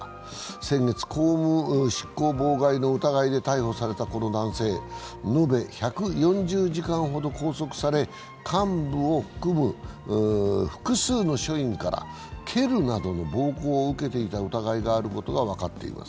先月、公務執行妨害の疑いで逮捕されたこの男性、延べ１４０時間ほど拘束され、幹部を含む複数の署員から蹴るなどの暴行を受けていた疑いがあることが分かっています。